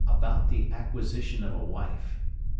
ABOUT THE ACQUISITION OF A WIFE.